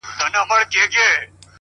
موږكانو ته معلوم د پيشو زور وو-